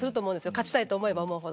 勝ちたいと思えば思うほど。